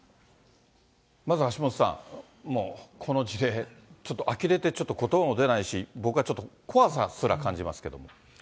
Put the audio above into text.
まず橋下さん、もうこの事例、ちょっとあきれて、ちょっとことばも出ないし、僕はちょっと怖さすら感じますけれども。